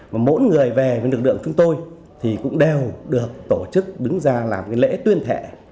mà mỗi người về với lực lượng chúng tôi thì cũng đều được tổ chức đứng ra làm cái lễ tuyên thệ